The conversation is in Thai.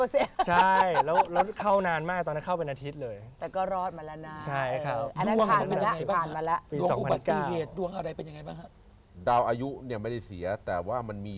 ยิ่งมีเปอร์เซ็นต์ตายนะอะไรอย่างนี้